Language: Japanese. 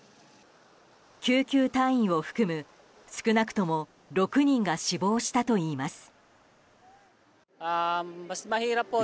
救急隊員を含む少なくとも６人が死亡したといいます。